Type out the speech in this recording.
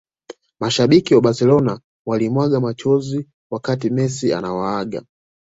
Mashabiki wa barcelona walimwaga machozi wakati messi anawaaga